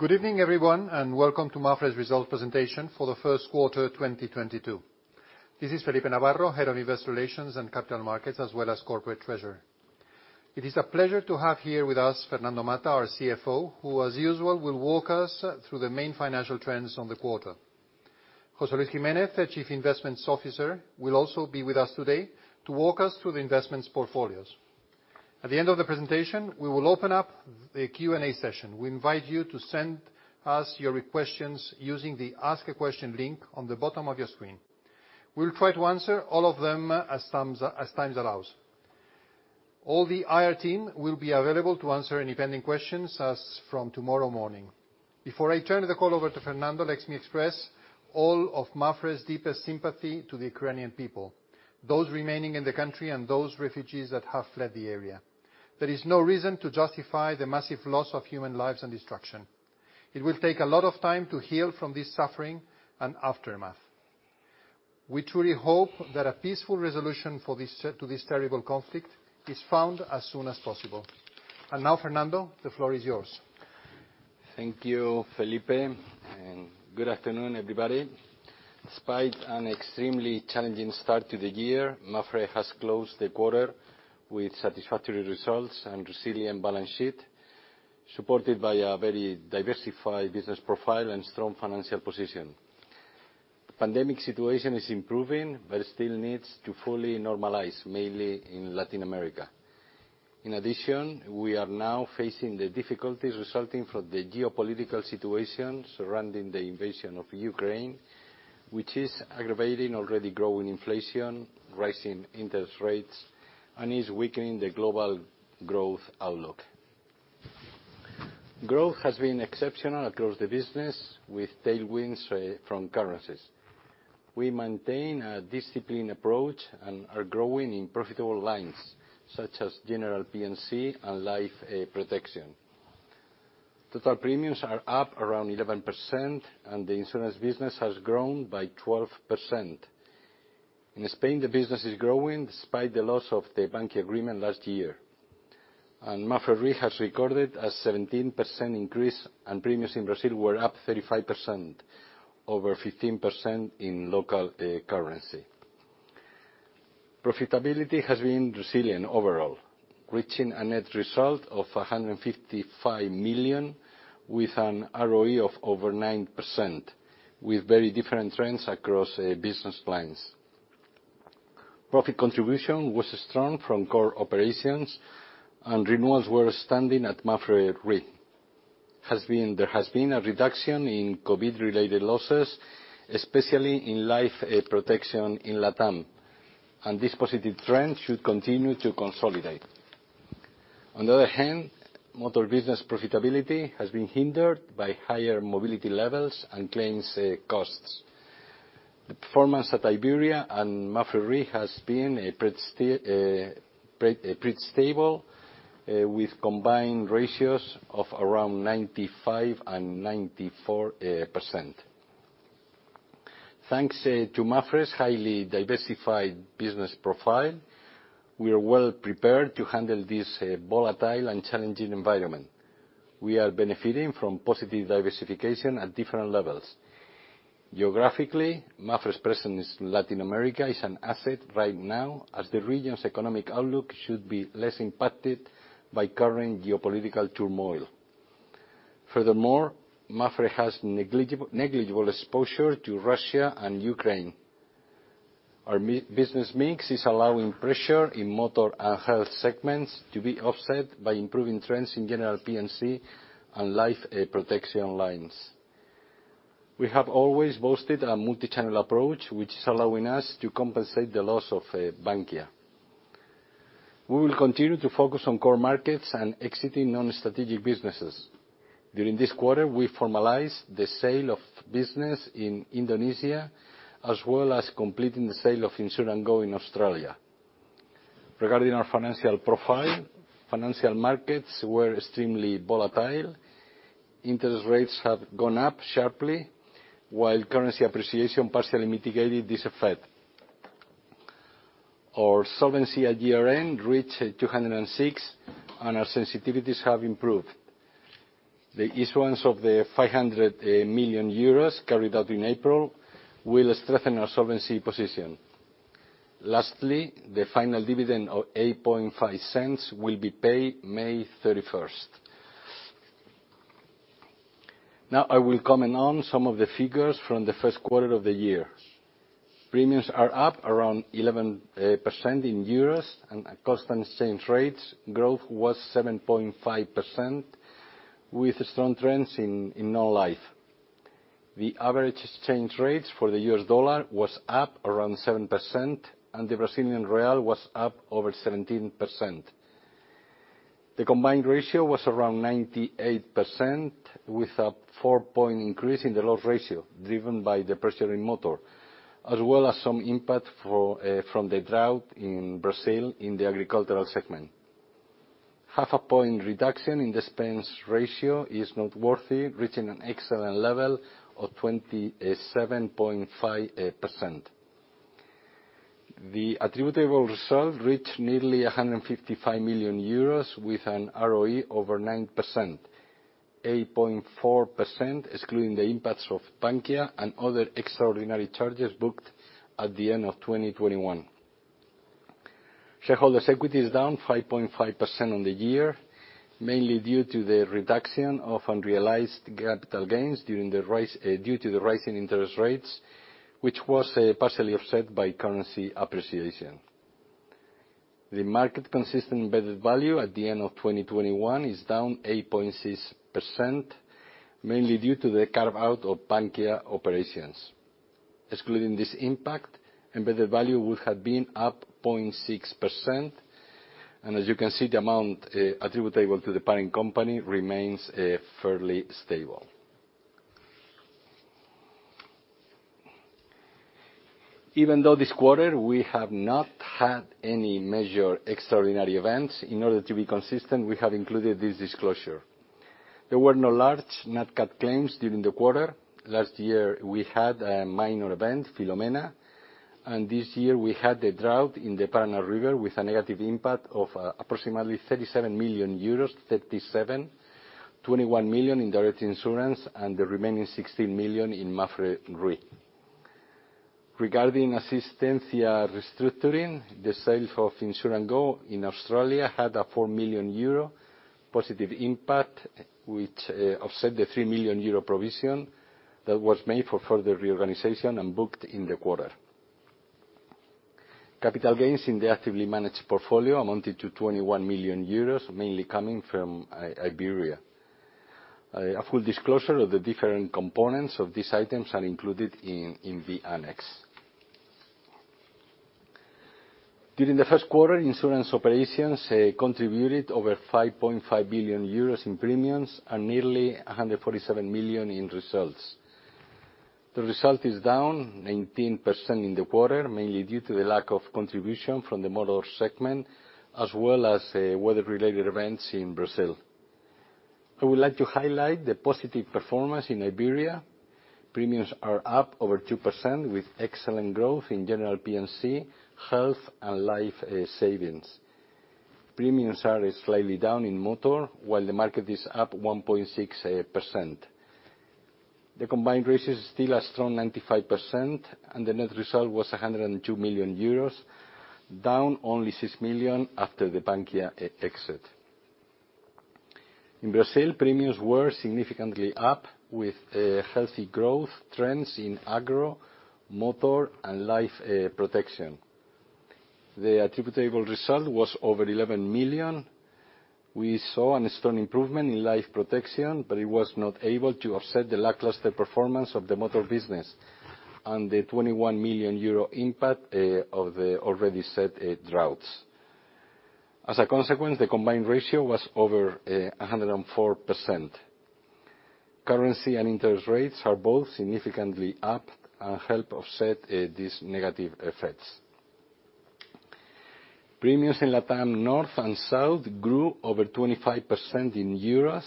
Good evening everyone, and welcome to MAPFRE's Result Presentation for the First Quarter 2022. This is Felipe Navarro, head of investor relations and capital markets, as well as corporate treasury. It is a pleasure to have here with us Fernando Mata, our CFO, who as usual, will walk us through the main financial trends on the quarter. José Luis Jiménez, the Chief Investment Officer, will also be with us today to walk us through the investment portfolios. At the end of the presentation, we will open up the Q&A session. We invite you to send us your questions using the Ask a Question link on the bottom of your screen. We'll try to answer all of them as time allows. All the IR team will be available to answer any pending questions as from tomorrow morning. Before I turn the call over to Fernando, let me express all of MAPFRE's deepest sympathy to the Ukrainian people, those remaining in the country and those refugees that have fled the area. There is no reason to justify the massive loss of human lives and destruction. It will take a lot of time to heal from this suffering and aftermath. We truly hope that a peaceful resolution to this terrible conflict is found as soon as possible. Now, Fernando, the floor is yours. Thank you, Felipe, and good afternoon, everybody. Despite an extremely challenging start to the year, MAPFRE has closed the quarter with satisfactory results and resilient balance sheet, supported by a very diversified business profile and strong financial position. The pandemic situation is improving, but it still needs to fully normalize, mainly in Latin America. In addition, we are now facing the difficulties resulting from the geopolitical situation surrounding the invasion of Ukraine, which is aggravating already growing inflation, rising interest rates, and is weakening the global growth outlook. Growth has been exceptional across the business with tailwinds from currencies. We maintain a disciplined approach and are growing in profitable lines such as general P&C and life, protection. Total premiums are up around 11%, and the insurance business has grown by 12%. In Spain, the business is growing despite the loss of the bank agreement last year. MAPFRE has recorded a 17% increase, and premiums in Brazil were up 35%, over 15% in local currency. Profitability has been resilient overall, reaching a net result of 155 million, with an ROE of over 9%, with very different trends across business lines. Profit contribution was strong from core operations, and renewals were standing at MAPFRE RE. There has been a reduction in COVID-related losses, especially in life protection in LATAM, and this positive trend should continue to consolidate. On the other hand, motor business profitability has been hindered by higher mobility levels and claims costs. The performance at Iberia and MAPFRE RE has been pretty stable, with combined ratios of around 95% and 94%. Thanks, to MAPFRE's highly diversified business profile, we are well prepared to handle this, volatile and challenging environment. We are benefiting from positive diversification at different levels. Geographically, MAPFRE's presence in Latin America is an asset right now as the region's economic outlook should be less impacted by current geopolitical turmoil. Furthermore, MAPFRE has negligible exposure to Russia and Ukraine. Our business mix is allowing pressure in motor and health segments to be offset by improving trends in general P&C and life, protection lines. We have always boasted a multi-channel approach, which is allowing us to compensate the loss of Bankia. We will continue to focus on core markets and exiting non-strategic businesses. During this quarter, we formalized the sale of business in Indonesia, as well as completing the sale of InsureandGo in Australia. Regarding our financial profile, financial markets were extremely volatile. Interest rates have gone up sharply, while currency appreciation partially mitigated this effect. Our solvency at year-end reached 206, and our sensitivities have improved. The issuance of 500 million euros carried out in April will strengthen our solvency position. Lastly, the final dividend of 0.085 will be paid May 31. Now I will comment on some of the figures from the first quarter of the year. Premiums are up around 11% in euros and at constant exchange rates. Growth was 7.5% with strong trends in non-life. The average exchange rates for the U.S. dollar was up around 7%, and the Brazilian real was up over 17%. The combined ratio was around 98%, with a 4-point increase in the loss ratio driven by the pressure in motor, as well as some impact from the drought in Brazil in the agricultural segment. Half a point reduction in expense ratio is noteworthy, reaching an excellent level of 27.5%. The attributable result reached nearly 155 million euros with an ROE over 9%, 8.4% excluding the impacts of Bankia and other extraordinary charges booked at the end of 2021. Shareholders' equity is down 5.5% on the year, mainly due to the reduction of unrealized capital gains due to the rise in interest rates, which was partially offset by currency appreciation. The market consistent embedded value at the end of 2021 is down 8.6%, mainly due to the carve-out of Bankia operations. Excluding this impact, embedded value would have been up 0.6%, and as you can see, the amount attributable to the parent company remains fairly stable. Even though this quarter we have not had any major extraordinary events, in order to be consistent, we have included this disclosure. There were no large nat cat claims during the quarter. Last year, we had a minor event, Filomena, and this year we had the drought in the Paraná River with a negative impact of approximately 37 million euros. 21 million in direct insurance and the remaining 16 million in MAPFRE RE. Regarding Asistencia restructuring, the sale of InsureandGo in Australia had a 4 million euro positive impact, which offset the 3 million euro provision that was made for further reorganization and booked in the quarter. Capital gains in the actively managed portfolio amounted to 21 million euros, mainly coming from Iberia. A full disclosure of the different components of these items are included in the annex. During the first quarter, insurance operations contributed over 5.5 billion euros in premiums and nearly 147 million in results. The result is down 19% in the quarter, mainly due to the lack of contribution from the motor segment, as well as weather-related events in Brazil. I would like to highlight the positive performance in Iberia. Premiums are up over 2% with excellent growth in general P&C, health and life savings. Premiums are slightly down in motor, while the market is up 1.6%. The combined ratio is still a strong 95%, and the net result was 102 million euros, down only 6 million after the Bankia exit. In Brazil, premiums were significantly up with healthy growth trends in agro, motor and life protection. The attributable result was over 11 million. We saw a strong improvement in life protection, but it was not able to offset the lackluster performance of the motor business and the 21 million euro impact of the already said droughts. As a consequence, the combined ratio was over 104%. Currency and interest rates are both significantly up and help offset these negative effects. Premiums in LATAM North and South grew over 25% in EUR.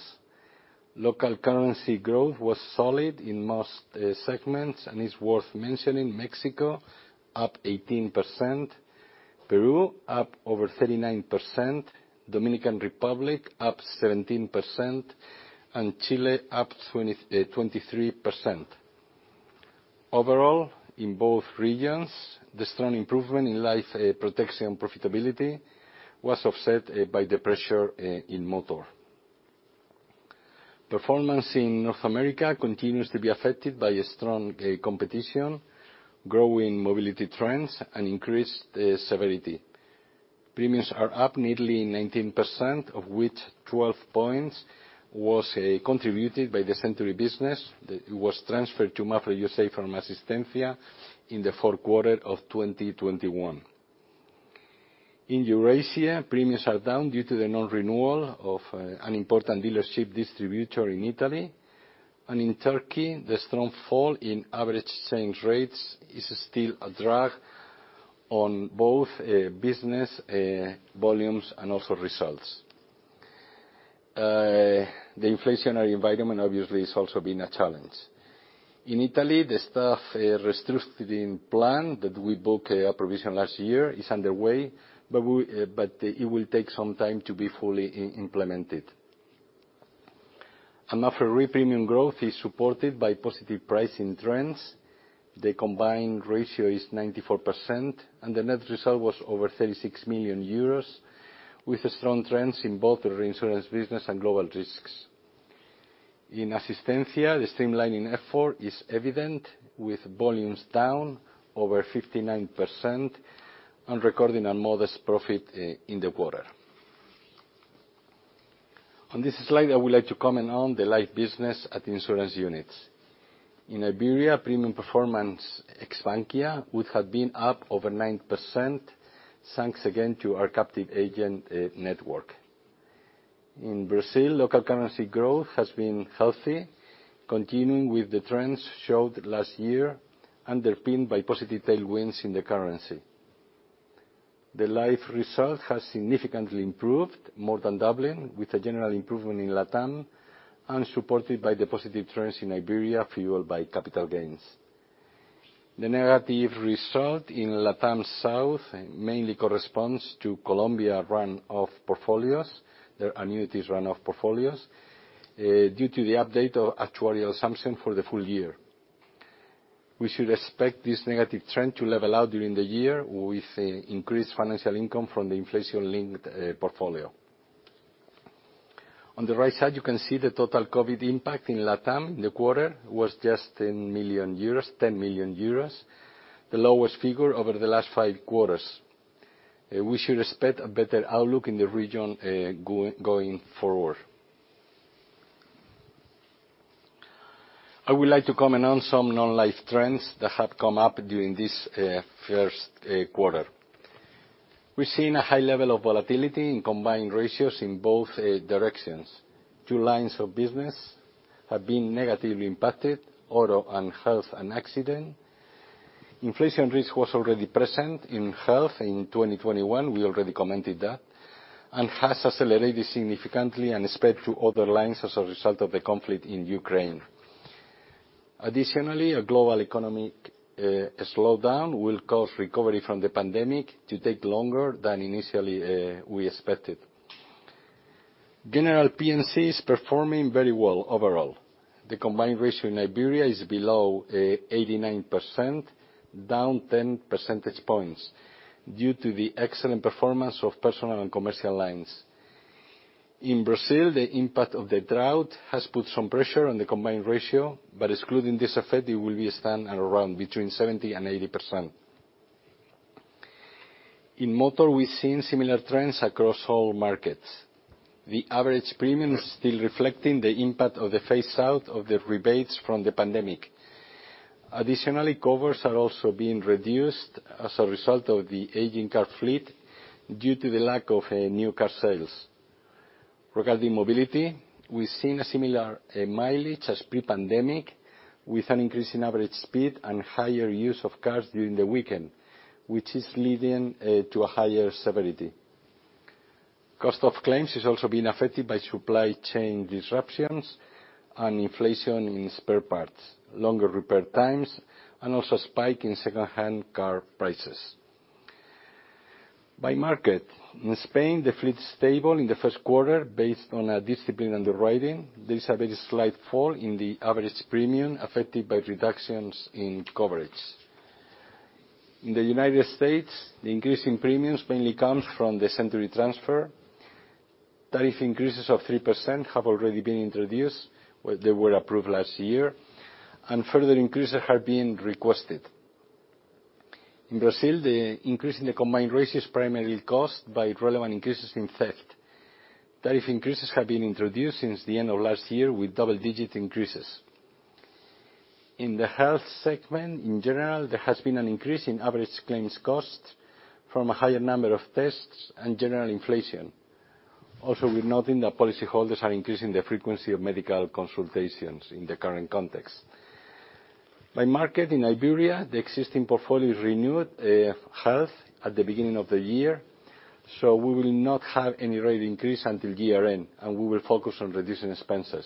Local currency growth was solid in most segments and is worth mentioning Mexico, up 18%, Peru up over 39%, Dominican Republic up 17%, and Chile up 23%. Overall, in both regions, the strong improvement in life protection profitability was offset by the pressure in motor. Performance in North America continues to be affected by a strong competition, growing mobility trends and increased severity. Premiums are up nearly 19%, of which 12 points was contributed by the Century business that was transferred to MAPFRE USA from Asistencia in the fourth quarter of 2021. In Eurasia, premiums are down due to the non-renewal of an important dealership distributor in Italy. In Turkey, the strong fall in average exchange rates is still a drag on both business volumes and also results. The inflationary environment obviously has also been a challenge. In Italy, the staff restructuring plan that we book a provision last year is underway, but it will take some time to be fully implemented. MAPFRE RE premium growth is supported by positive pricing trends. The combined ratio is 94%, and the net result was over 36 million euros, with strong trends in both the reinsurance business and Global Risks. In Asistencia, the streamlining effort is evident, with volumes down over 59% and recording a modest profit in the quarter. On this slide, I would like to comment on the life business at the insurance units. In Iberia, premium performance ex Bankia would have been up over 9%, thanks again to our captive agent network. In Brazil, local currency growth has been healthy, continuing with the trends showed last year, underpinned by positive tailwinds in the currency. The life result has significantly improved, more than doubling, with a general improvement in LATAM, and supported by the positive trends in Iberia fueled by capital gains. The negative result in LATAM South mainly corresponds to Colombia run-off portfolios, their annuities run-off portfolios, due to the update of actuarial assumption for the full year. We should expect this negative trend to level out during the year with increased financial income from the inflation-linked portfolio. On the right side, you can see the total COVID impact in LATAM in the quarter was just 10 million euros, the lowest figure over the last five quarters. We should expect a better outlook in the region going forward. I would like to comment on some non-life trends that have come up during this first quarter. We've seen a high level of volatility in combined ratios in both directions. Two lines of business have been negatively impacted, auto and health and accident. Inflation risk was already present in health in 2021, we already commented that, and has accelerated significantly and spread to other lines as a result of the conflict in Ukraine. Additionally, a global economic slowdown will cause recovery from the pandemic to take longer than initially we expected. General P&C is performing very well overall. The combined ratio in Iberia is below 89%, down 10 percentage points due to the excellent performance of personal and commercial lines. In Brazil, the impact of the drought has put some pressure on the combined ratio, but excluding this effect, it will be standing around between 70% and 80%. In motor, we've seen similar trends across all markets. The average premium still reflecting the impact of the phase out of the rebates from the pandemic. Additionally, covers are also being reduced as a result of the aging car fleet due to the lack of new car sales. Regarding mobility, we've seen a similar mileage as pre-pandemic, with an increase in average speed and higher use of cars during the weekend, which is leading to a higher severity. Cost of claims is also being affected by supply chain disruptions and inflation in spare parts, longer repair times, and also spike in secondhand car prices. By market, in Spain, the fleet is stable in the first quarter based on disciplined underwriting. There is a very slight fall in the average premium affected by reductions in coverage. In the United States, the increase in premiums mainly comes from the Century transfer. Tariff increases of 3% have already been introduced, where they were approved last year, and further increases have been requested. In Brazil, the increase in the combined ratios is primarily caused by relevant increases in theft. Tariff increases have been introduced since the end of last year with double-digit increases. In the health segment, in general, there has been an increase in average claims cost from a higher number of tests and general inflation. Also, we're noting that policyholders are increasing their frequency of medical consultations in the current context. By market, in Iberia, the existing portfolio is renewed health at the beginning of the year, so we will not have any rate increase until year-end, and we will focus on reducing expenses.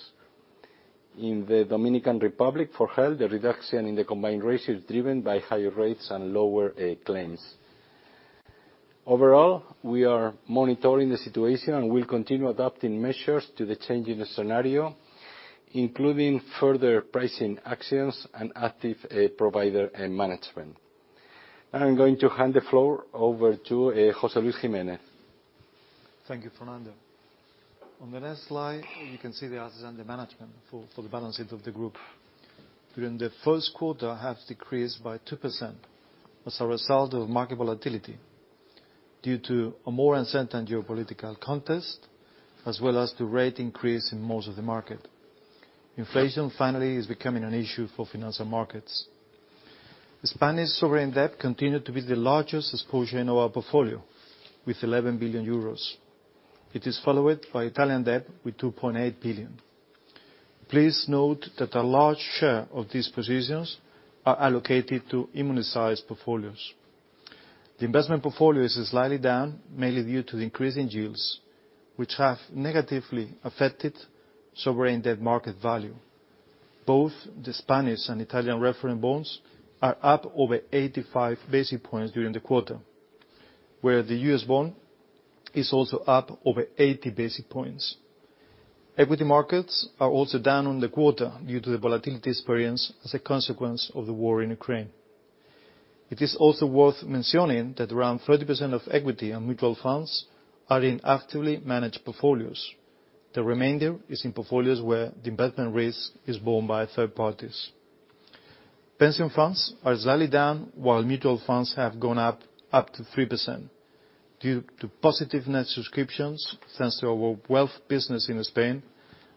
In the Dominican Republic, for health, the reduction in the combined ratio is driven by higher rates and lower claims. Overall, we are monitoring the situation and will continue adapting measures to the change in the scenario, including further pricing actions and active provider and management. Now I'm going to hand the floor over to José Luis Jiménez. Thank you, Fernando. On the next slide, you can see the assets under management for the balance sheet of the group. During the first quarter, have decreased by 2% as a result of market volatility due to a more uncertain geopolitical context, as well as the rate increase in most of the market. Inflation, finally, is becoming an issue for financial markets. The Spanish sovereign debt continued to be the largest exposure in our portfolio with 11 billion euros. It is followed by Italian debt with 2.8 billion. Please note that a large share of these positions are allocated to immunized portfolios. The investment portfolio is slightly down, mainly due to the increase in yields, which have negatively affected sovereign debt market value. Both the Spanish and Italian reference bonds are up over 85 basis points during the quarter, where the U.S. bond is also up over 80 basis points. Equity markets are also down on the quarter due to the volatility experienced as a consequence of the war in Ukraine. It is also worth mentioning that around 30% of equity and mutual funds are in actively managed portfolios. The remainder is in portfolios where the investment risk is borne by third parties. Pension funds are slightly down, while mutual funds have gone up to 3% due to positive net subscriptions, thanks to our wealth business in Spain,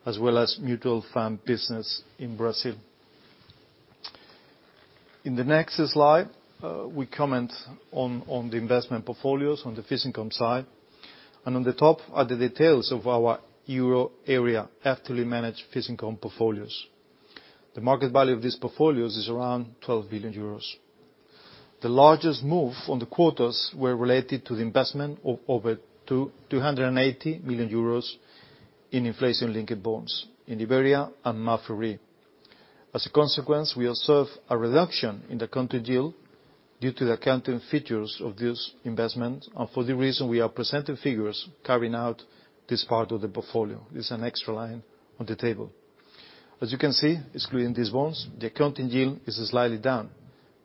as well as mutual fund business in Brazil. In the next slide, we comment on the investment portfolios on the fixed income side. On the top are the details of our euro area actively managed fixed income portfolios. The market value of these portfolios is around 12 billion euros. The largest move on the quarters were related to the investment of over 280 million euros in inflation-linked bonds in Iberia and MAPFRE. As a consequence, we observe a reduction in the coupon yield due to the accounting features of this investment. For that reason, we are presenting figures carve-out this part of the portfolio. It's an extra line on the table. As you can see, excluding these bonds, the accounting yield is slightly down,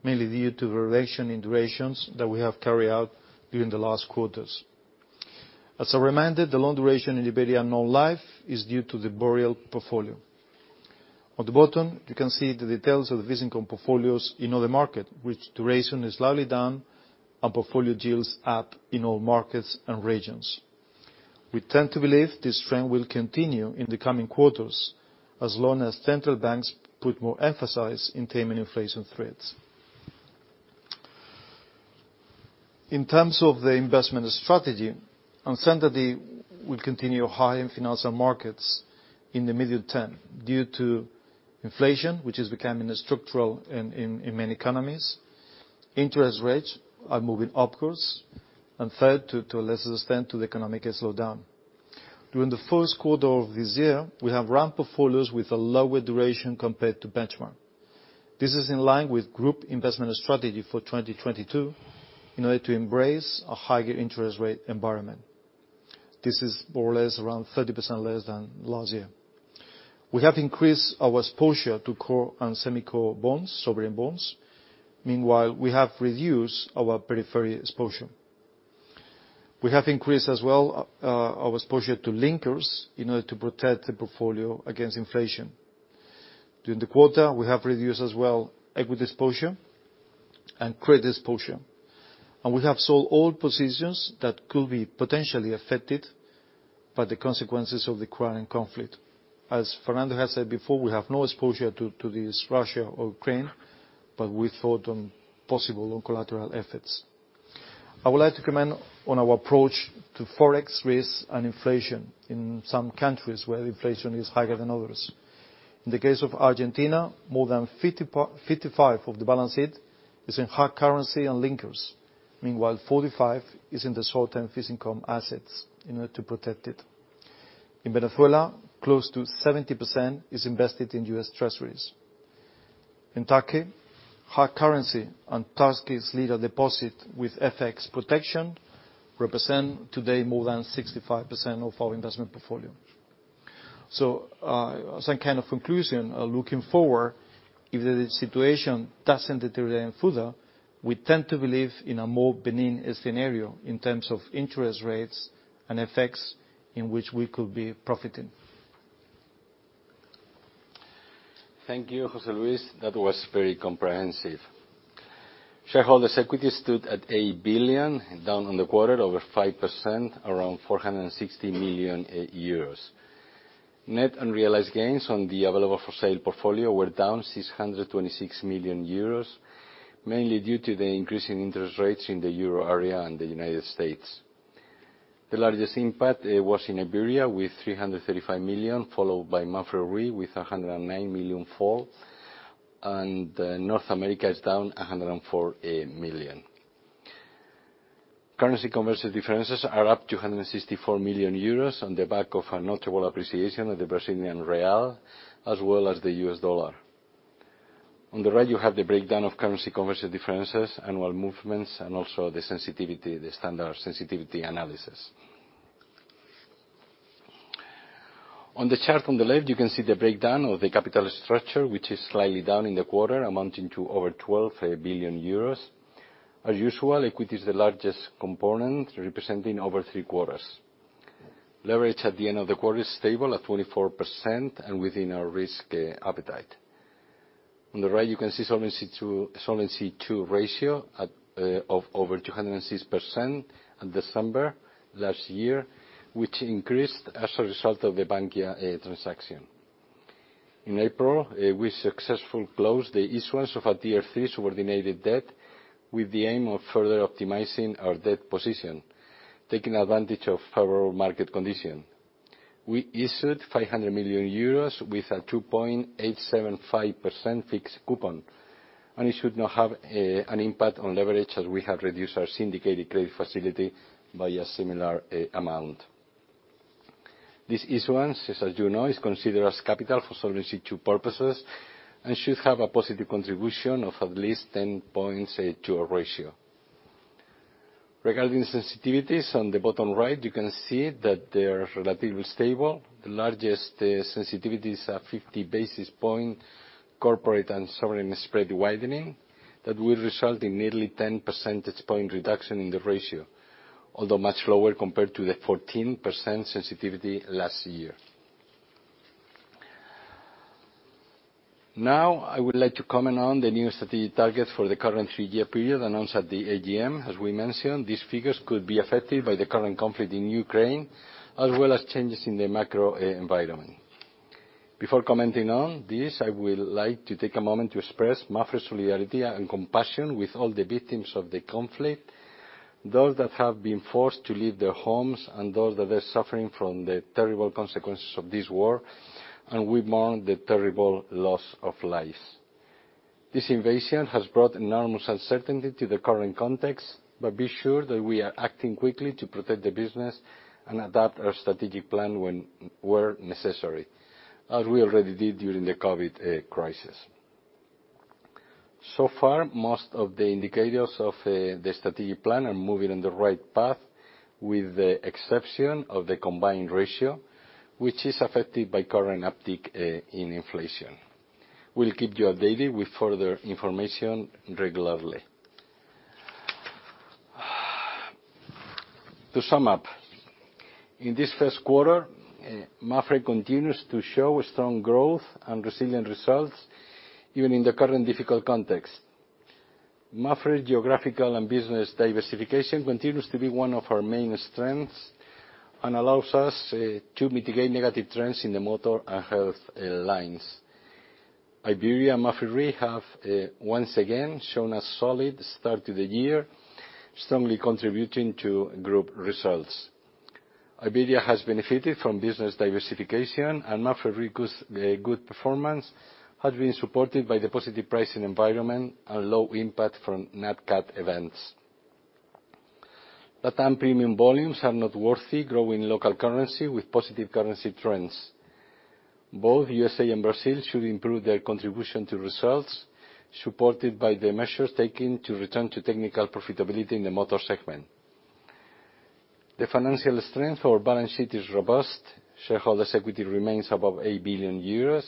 mainly due to variation in durations that we have carried out during the last quarters. As a reminder, the long duration in Iberia non-life is due to the Boreal portfolio. On the bottom, you can see the details of the fixed income portfolios in other markets, which duration is slightly down and portfolio yields up in all markets and regions. We tend to believe this trend will continue in the coming quarters as long as central banks put more emphasis on taming inflation threats. In terms of the investment strategy, uncertainty will continue high in financial markets in the medium term due to inflation, which is becoming structural in many economies. Interest rates are moving upwards. Third, to a lesser extent, the economic slowdown. During the first quarter of this year, we have run portfolios with a lower duration compared to benchmark. This is in line with group investment strategy for 2022 in order to embrace a higher interest rate environment. This is more or less around 30% less than last year. We have increased our exposure to core and semi-core bonds, sovereign bonds. Meanwhile, we have reduced our periphery exposure. We have increased as well our exposure to linkers in order to protect the portfolio against inflation. During the quarter, we have reduced as well equity exposure and credit exposure. We have sold all positions that could be potentially affected by the consequences of the current conflict. As Fernando has said before, we have no exposure to this Russia or Ukraine, but we thought on possible collateral effects. I would like to comment on our approach to Forex risk and inflation in some countries where inflation is higher than others. In the case of Argentina, more than 55% of the balance sheet is in hard currency and linkers. Meanwhile, 45% is in the short-term fixed income assets in order to protect it. In Venezuela, close to 70% is invested in U.S. Treasuries. In Turkey, hard currency and Turkish lira deposit with FX protection represent today more than 65% of our investment portfolio. As a kind of conclusion, looking forward, if the situation doesn't deteriorate further, we tend to believe in a more benign scenario in terms of interest rates and effects in which we could be profiting. Thank you, José Luis. That was very comprehensive. Shareholders' equity stood at 8 billion, down on the quarter over 5%, around 460 million euros. Net unrealized gains on the available for sale portfolio were down 626 million euros, mainly due to the increase in interest rates in the Euro area and the United States. The largest impact was in Iberia with 335 million, followed by MAPFRE RE with a 109 million fall, and North America is down 104 million. Currency conversion differences are up 264 million euros on the back of a notable appreciation of the Brazilian real as well as the U.S. dollar. On the right, you have the breakdown of currency conversion differences, annual movements, and also the sensitivity, the standard sensitivity analysis. On the chart on the left, you can see the breakdown of the capital structure, which is slightly down in the quarter, amounting to over 12 billion euros. As usual, equity is the largest component, representing over three-quarters. Leverage at the end of the quarter is stable at 24% and within our risk appetite. On the right, you can see Solvency II ratio of over 206% in December last year, which increased as a result of the Bankia transaction. In April, we successfully closed the issuance of a Tier 2 subordinated debt with the aim of further optimizing our debt position, taking advantage of favorable market condition. We issued 500 million euros with a 2.875% fixed coupon, and it should not have an impact on leverage, as we have reduced our syndicated credit facility by a similar amount. This issuance, as you know, is considered as capital for Solvency II purposes and should have a positive contribution of at least 10 points to our ratio. Regarding sensitivities, on the bottom right, you can see that they're relatively stable. The largest sensitivities are 50 basis point corporate and sovereign spread widening. That will result in nearly 10 percentage point reduction in the ratio, although much lower compared to the 14% sensitivity last year. Now I would like to comment on the new strategic targets for the current three-year period announced at the AGM. As we mentioned, these figures could be affected by the current conflict in Ukraine as well as changes in the macro environment. Before commenting on this, I would like to take a moment to express MAPFRE's solidarity and compassion with all the victims of the conflict. Those that have been forced to leave their homes, and those that are suffering from the terrible consequences of this war, and we mourn the terrible loss of lives. This invasion has brought enormous uncertainty to the current context, but be sure that we are acting quickly to protect the business and adapt our strategic plan when, where necessary, as we already did during the COVID crisis. So far, most of the indicators of the strategic plan are moving in the right path, with the exception of the combined ratio, which is affected by current uptick in inflation. We'll keep you updated with further information regularly. To sum up, in this first quarter, MAPFRE continues to show strong growth and resilient results even in the current difficult context. MAPFRE geographical and business diversification continues to be one of our main strengths and allows us to mitigate negative trends in the motor and health lines. Iberia MAPFRE have once again shown a solid start to the year, strongly contributing to group results. Iberia has benefited from business diversification and MAPFRE RE good performance has been supported by the positive pricing environment and low impact from nat cat events. Latin premium volumes are noteworthy, growing local currency with positive currency trends. Both USA and Brazil should improve their contribution to results, supported by the measures taken to return to technical profitability in the motor segment. The financial strength of balance sheet is robust. Shareholders' equity remains above 8 billion euros.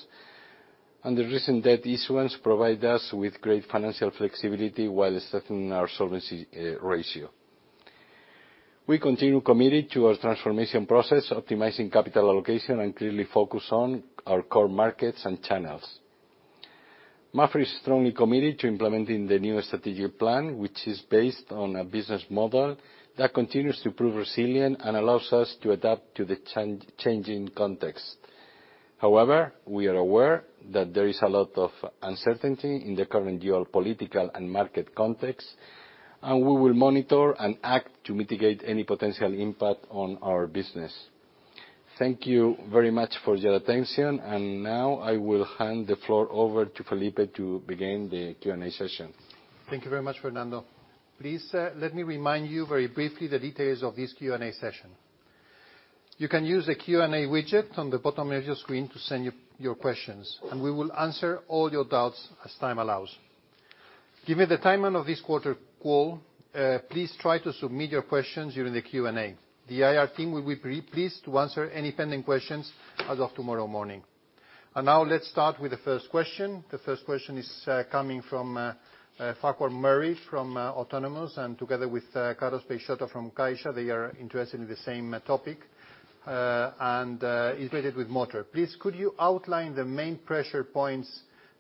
The recent debt issuance provide us with great financial flexibility while setting our solvency ratio. We continue committed to our transformation process, optimizing capital allocation and clearly focus on our core markets and channels. MAPFRE is strongly committed to implementing the new strategic plan, which is based on a business model that continues to prove resilient and allows us to adapt to the changing context. However, we are aware that there is a lot of uncertainty in the current geopolitical and market context, and we will monitor and act to mitigate any potential impact on our business. Thank you very much for your attention. Now I will hand the floor over to Felipe to begin the Q&A session. Thank you very much, Fernando. Please, let me remind you very briefly the details of this Q&A session. You can use the Q&A widget on the bottom of your screen to send your questions, and we will answer all your doubts as time allows. Given the timing of this quarter call, please try to submit your questions during the Q&A. The IR team will be very pleased to answer any pending questions as of tomorrow morning. Now let's start with the first question. The first question is coming from Farquhar Murray from Autonomous, and together with Carlos Peixoto from Caixa, they are interested in the same topic, and is related with motor. Please, could you outline the main pressure points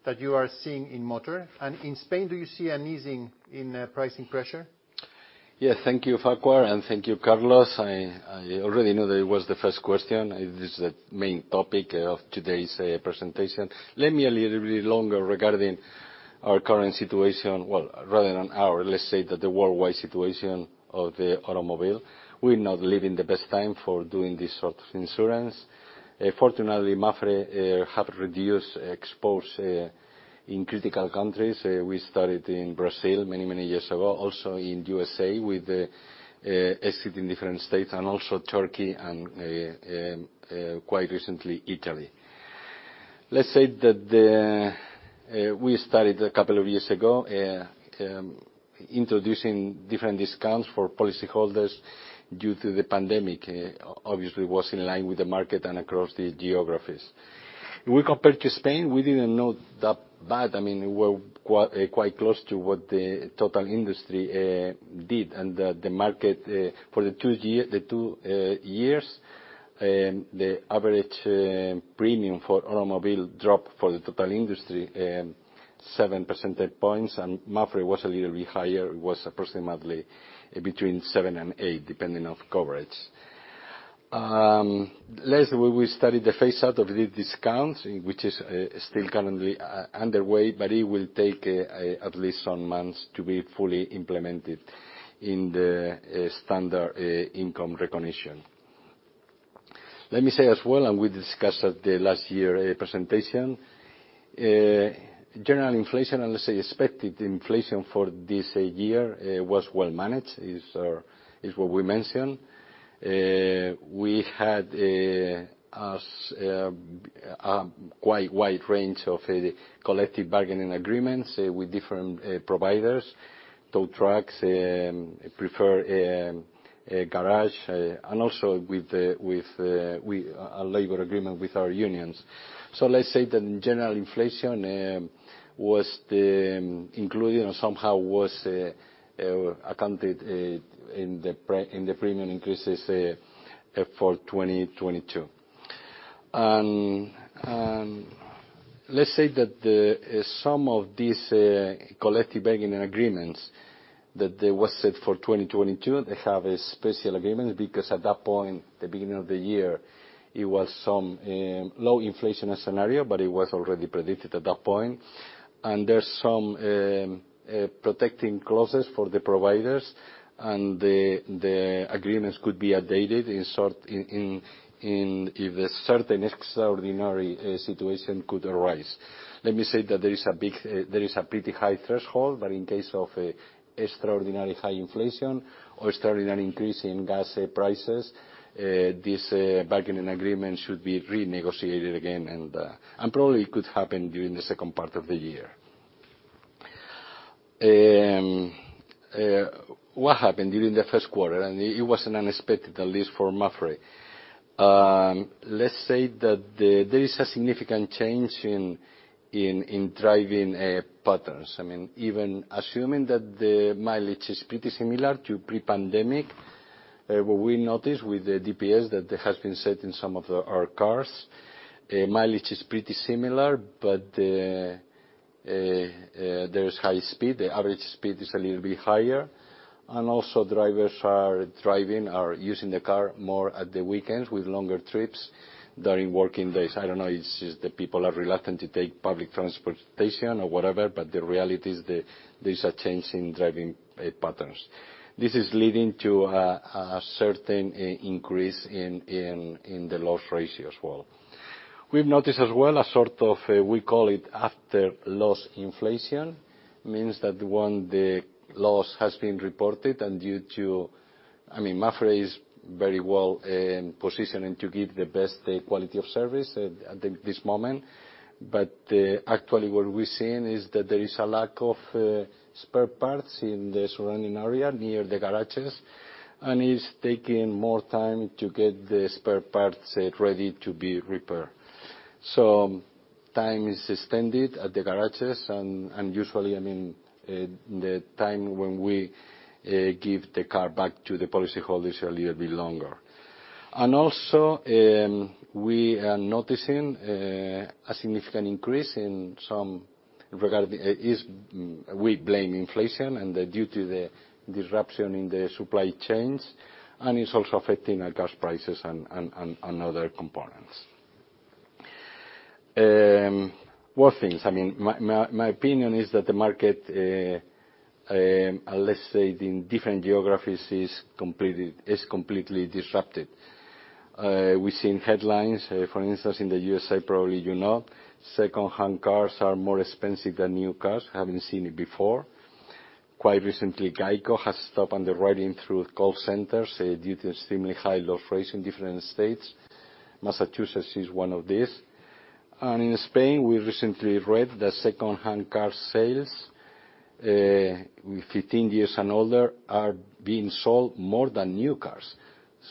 that you are seeing in motor? And in Spain, do you see an easing in pricing pressure? Yes. Thank you, Farquhar, and thank you, Carlos. I already knew that it was the first question. It is the main topic of today's presentation. Let me a little bit longer regarding our current situation. Well, rather than our, let's say that the worldwide situation of the automobile. We're not living the best time for doing this sort of insurance. Fortunately, MAPFRE have reduced exposure in critical countries. We started in Brazil many years ago. Also in USA with the exit in different states and also Turkey and quite recently, Italy. Let's say that we started a couple of years ago introducing different discounts for policy holders due to the pandemic. Obviously, was in line with the market and across the geographies. Compared to Spain, we didn't do that bad. I mean, we're quite close to what the total industry did and the market for the two years. The average premium for automobile dropped for the total industry 7 percentage points, and MAPFRE was a little bit higher. It was approximately between 7 and 8, depending on coverage. Last week, we started the phase out of these discounts, which is still currently underway, but it will take at least some months to be fully implemented in the standard income recognition. Let me say as well. We discussed at the last year's presentation general inflation, and let's say expected inflation for this year was well managed, is what we mentioned. We had a quite wide range of collective bargaining agreements with different providers. Tow trucks prefer a garage, and also with a labor agreement with our unions. Let's say the general inflation was included or somehow was accounted in the premium increases for 2022. Let's say that some of these collective bargaining agreements that they were set for 2022, they have a special agreement because at that point, the beginning of the year, it was some low inflation scenario, but it was already predicted at that point. There's some protecting clauses for the providers, and the agreements could be updated in if a certain extraordinary situation could arise. There is a pretty high threshold, but in case of extraordinary high inflation or extraordinary increase in gas prices, this bargaining agreement should be renegotiated again, and probably could happen during the second part of the year. What happened during the first quarter, and it wasn't unexpected, at least for MAPFRE. Let's say that there is a significant change in driving patterns. I mean, even assuming that the mileage is pretty similar to pre-pandemic, what we noticed with the GPS that has been set in some of our cars, mileage is pretty similar, but there is high speed. The average speed is a little bit higher. Drivers are driving or using the car more at the weekends with longer trips during working days. I don't know, it's just that people are reluctant to take public transportation or whatever, but the reality is there's a change in driving patterns. This is leading to a certain increase in the loss ratio as well. We've noticed as well a sort of, we call it after-loss inflation. Means that when the loss has been reported and due to I mean, MAPFRE is very well positioned and to give the best quality of service at this moment. Actually what we're seeing is that there is a lack of spare parts in the surrounding area near the garages, and it's taking more time to get the spare parts ready to be repaired. Time is extended at the garages and usually, I mean, the time when we give the car back to the policyholder is a little bit longer. Also, we are noticing a significant increase in some regard. We blame inflation and the disruption in the supply chains, and it's also affecting our gas prices and other components. War things. I mean, my opinion is that the market, let's say in different geographies, is completely disrupted. We've seen headlines, for instance, in the USA, probably you know, second-hand cars are more expensive than new cars. Haven't seen it before. Quite recently, GEICO has stopped underwriting through call centers due to extremely high loss rates in different states. Massachusetts is one of these. In Spain, we recently read that second-hand car sales, 15 years and older, are being sold more than new cars.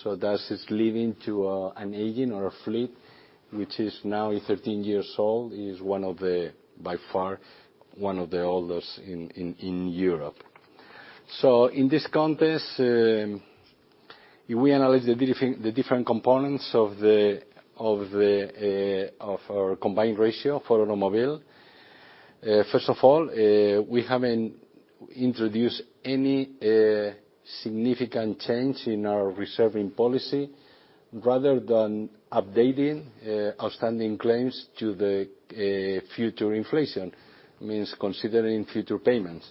That is leading to an aging of our fleet, which is now 13 years old. It is, by far, one of the oldest in Europe. In this context, if we analyze the different components of our combined ratio for automobile, first of all, we haven't introduced any significant change in our reserving policy. Rather than updating outstanding claims to the future inflation, means considering future payments.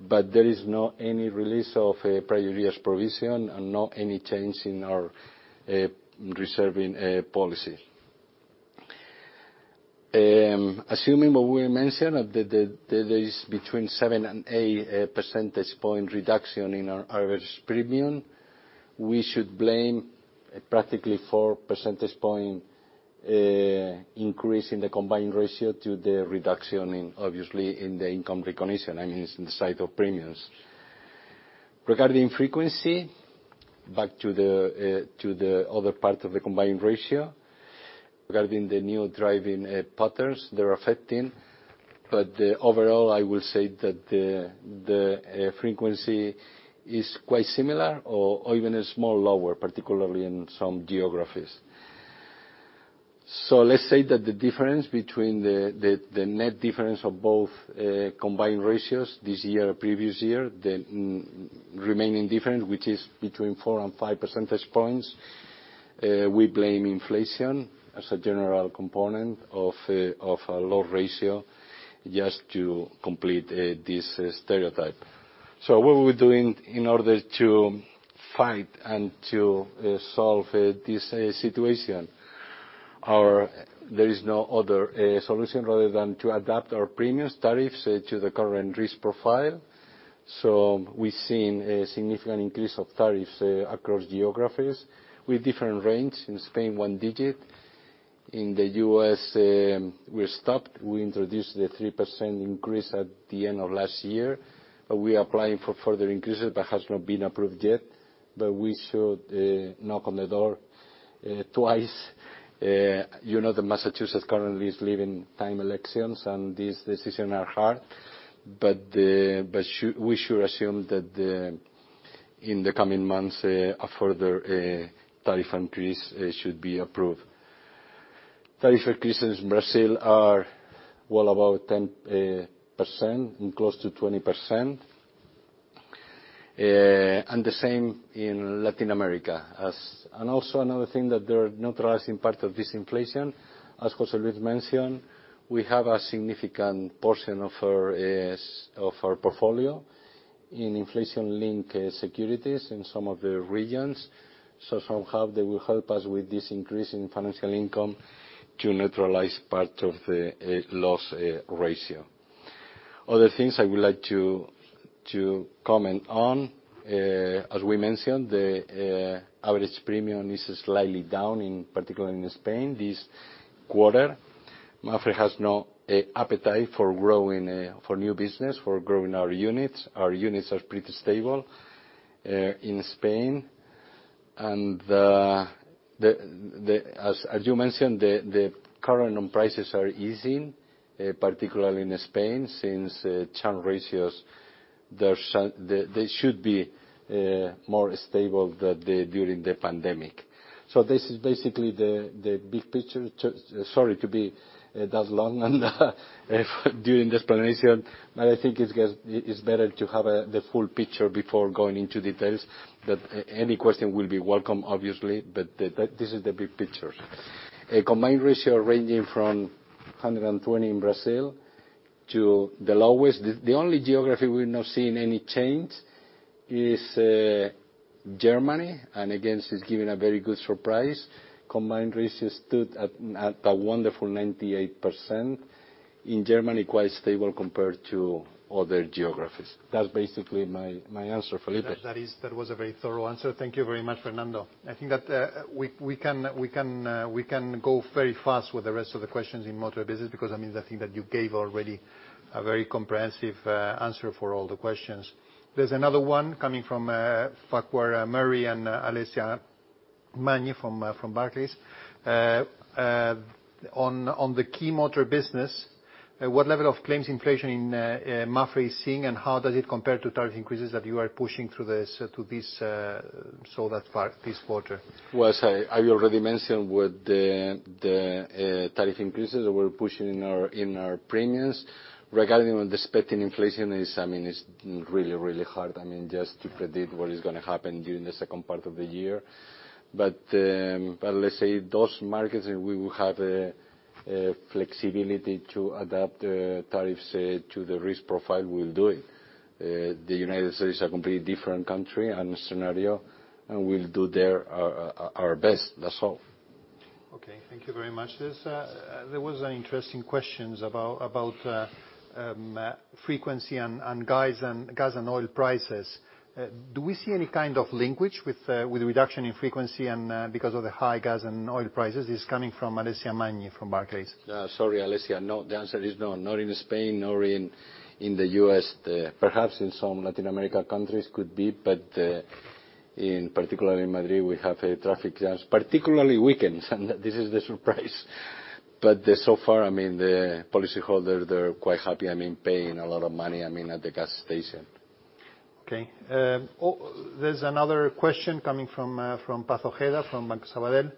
There is not any release of prior years' provision and not any change in our reserving policy. Assuming what we mentioned, that there is between 7 and 8 percentage point reduction in our average premium, we should blame practically 4 percentage point increase in the combined ratio to the reduction in, obviously, in the income recognition, I mean, it's in the size of premiums. Regarding frequency, back to the other part of the combined ratio, regarding the new driving patterns they're affecting. Overall, I will say that the frequency is quite similar or even slightly lower, particularly in some geographies. Let's say that the difference between the net difference of both combined ratios this year or previous year, the remaining difference, which is between four and five percentage points, we blame inflation as a general component of our loss ratio just to complete this stereotype. What are we doing in order to fight and to solve this situation? There is no other solution rather than to adapt our premium tariffs to the current risk profile. We've seen a significant increase of tariffs across geographies with different range. In Spain, one digit. In the U.S., we're stuck. We introduced the 3% increase at the end of last year, but we are applying for further increases, but has not been approved yet. We should knock on the door twice. You know that Massachusetts currently is living through elections, and these decisions are hard. We should assume that in the coming months, a further tariff increase should be approved. Tariff increases in Brazil are, well, about 10% and close to 20%. The same in Latin America. Also another thing that is neutralizing part of this inflation, as José Luis mentioned, we have a significant portion of our portfolio in inflation-linked securities in some of the regions. Somehow they will help us with this increase in financial income to neutralize part of the loss ratio. Other things I would like to comment on, as we mentioned, the average premium is slightly down, particularly in Spain this quarter. MAPFRE has no appetite for growing for new business, for growing our units. Our units are pretty stable in Spain. As you mentioned, the current own prices are easing, particularly in Spain, since churn ratios, they should be more stable during the pandemic. This is basically the big picture. Sorry to be that long and during the explanation, but I think it's better to have the full picture before going into details. Any question will be welcome, obviously. This is the big picture. A combined ratio ranging from 120% in Brazil to the lowest. The only geography we're not seeing any change is Germany, and yet, it's giving a very good surprise. Combined ratio stood at a wonderful 98%. In Germany, quite stable compared to other geographies. That's basically my answer, Felipe. That was a very thorough answer. Thank you very much, Fernando. I think that we can go very fast with the rest of the questions in motor business because I mean I think that you gave already a very comprehensive answer for all the questions. There's another one coming from Farquhar Murray and Alessia Magni from Barclays. On the key motor business, what level of claims inflation MAPFRE is seeing, and how does it compare to tariff increases that you are pushing through this year to this quarter so far? Well, as I already mentioned, with the tariff increases that we're pushing in our premiums, regarding on expecting inflation is, I mean, it's really hard, I mean, just to predict what is gonna happen during the second part of the year. Let's say those markets we will have a flexibility to adapt tariffs to the risk profile. We'll do it. The United States is a completely different country and scenario, and we'll do there our best, that's all. Okay. Thank you very much. There was an interesting question about frequency and gas and oil prices. Do we see any kind of link with the reduction in frequency because of the high gas and oil prices? It's coming from Alessia Magni from Barclays. Sorry, Alessia. No. The answer is no, not in Spain, nor in the U.S. Perhaps in some Latin America countries could be, but particularly in Madrid, we have traffic jams, particularly weekends, and this is the surprise. So far, I mean, the policyholders, they're quite happy. I mean, paying a lot of money, I mean, at the gas station. There's another question coming from Paz Ojeda, from Banco Sabadell.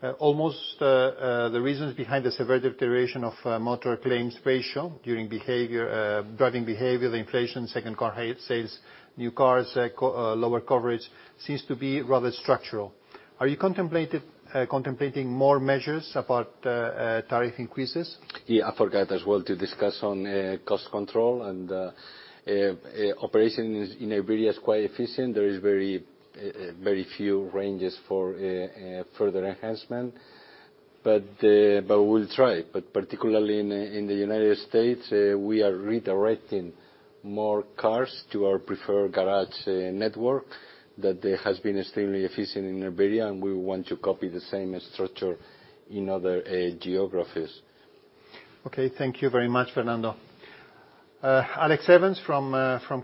The reasons behind the severe deterioration of motor claims ratio due to driving behavior, the inflation, second car higher sales, new cars, lower coverage seems to be rather structural. Are you contemplating more measures apart from tariff increases? Yeah, I forgot as well to discuss on cost control and operation in Iberia is quite efficient. There is very few ranges for further enhancement. We'll try. Particularly in the United States, we are redirecting more cars to our preferred garage network that has been extremely efficient in Iberia, and we want to copy the same structure in other geographies. Okay. Thank you very much, Fernando. Alex Evans from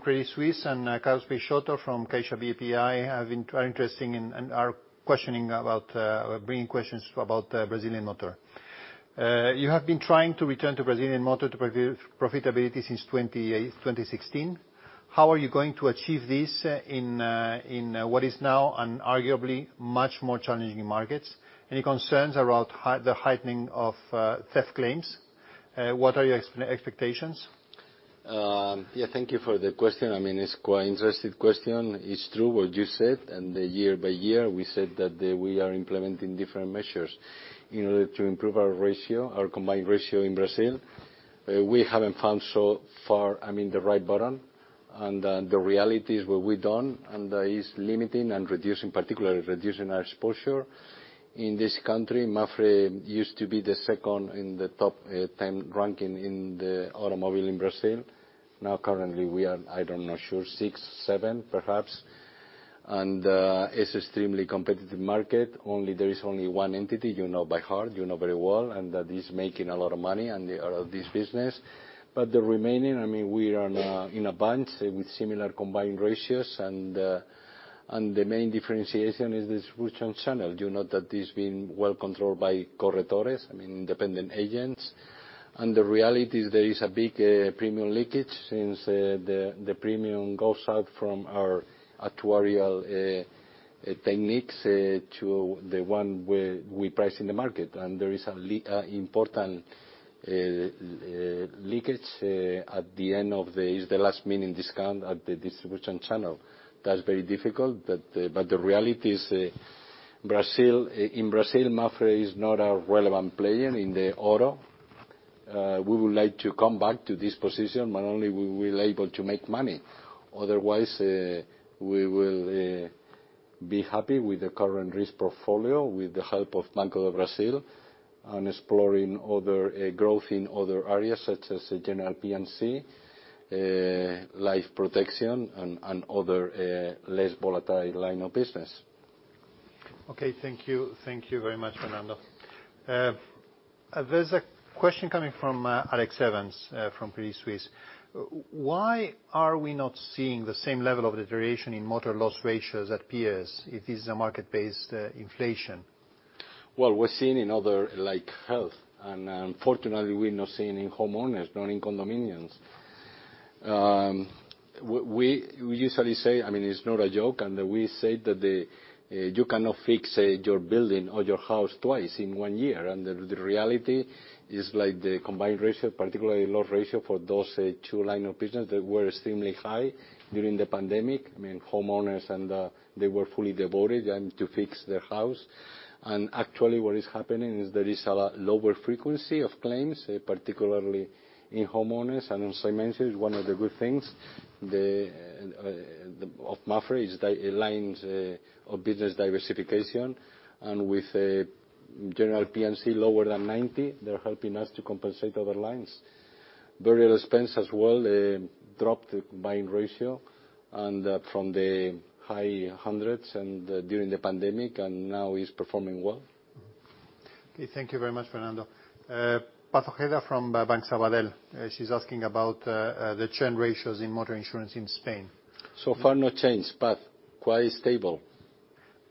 Credit Suisse and Carlos Peixoto from Caixa BPI have been quite interested in, and are questioning about, or bringing questions about, Brazilian motor. You have been trying to return to Brazilian motor to profitability since 2016. How are you going to achieve this in what is now unarguably much more challenging markets? Any concerns around the heightening of theft claims? What are your expectations? Yeah. Thank you for the question. I mean, it's quite interesting question. It's true what you said, and year by year, we said that, we are implementing different measures in order to improve our ratio, our combined ratio in Brazil. We haven't found so far, I mean, the right button. The reality is what we've done, and that is limiting and reducing, particularly reducing our exposure in this country. MAPFRE used to be the second in the top ten ranking in the automobile in Brazil. Now currently, we are, I'm not sure, six, seven, perhaps. It's extremely competitive market. There is only one entity you know by heart, you know very well, and that is making a lot of money and they are out of this business. The remaining, I mean, we are in a bunch with similar combined ratios and the main differentiation is this retention channel. You know that it's being well controlled by corretores, I mean, independent agents. The reality is there is a big premium leakage since the premium goes out from our actuarial techniques to the one where we price in the market. There is an important leakage at the end of the, is the last minute discount at the distribution channel. That's very difficult. The reality is Brazil. In Brazil, MAPFRE is not a relevant player in the auto. We would like to come back to this position, but only we will able to make money. Otherwise, we will be happy with the current risk portfolio, with the help of Banco do Brasil, and exploring other growth in other areas such as general P&C, life protection and other less volatile line of business. Okay, thank you. Thank you very much, Fernando. There's a question coming from Alex Evans from Credit Suisse. Why are we not seeing the same level of deterioration in motor loss ratios at peers if this is a market-based inflation? Well, we're seeing in other like health, and unfortunately, we're not seeing in homeowners nor in condominiums. We usually say, I mean, it's not a joke, and we say that you cannot fix your building or your house twice in one year. The reality is like the combined ratio, particularly loss ratio for those two line of business, they were extremely high during the pandemic. I mean, homeowners and they were fully devoted and to fix their house. Actually what is happening is there is a lower frequency of claims, particularly in homeowners. As I mentioned, one of the good things of MAPFRE is lines of business diversification. With general P&C lower than 90%, they're helping us to compensate other lines. Boreal expense as well dropped the combined ratio from the high hundreds during the pandemic, and now is performing well. Okay, thank you very much, Fernando. Paz Ojeda from Banco Sabadell, she's asking about the churn ratios in motor insurance in Spain. So far, no change, Paz. Quite stable.